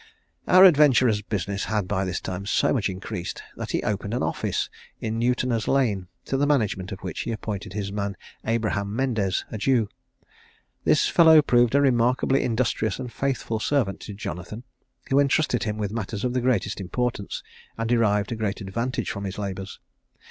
Our adventurer's business had by this time so much increased, that he opened an office in Newtoner's lane, to the management of which he appointed his man Abraham Mendez, a Jew. This fellow proved a remarkably industrious and faithful servant to Jonathan, who entrusted him with matters of the greatest importance, and derived great advantage from his labours.